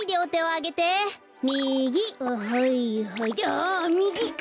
あみぎか！